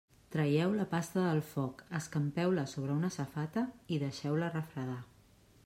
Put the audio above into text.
Traieu la pasta del foc, escampeu-la sobre una safata i deixeu-la refredar.